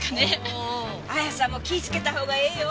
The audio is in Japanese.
あやさんも気ぃつけたほうがええよ。